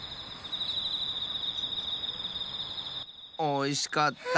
おいしかった！